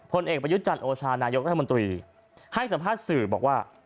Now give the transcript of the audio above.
เอกประยุทธ์จันทร์โอชานายกรัฐมนตรีให้สัมภาษณ์สื่อบอกว่า